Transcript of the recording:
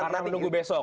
karena menunggu besok